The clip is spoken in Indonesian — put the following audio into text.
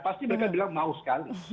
pasti mereka bilang mau sekali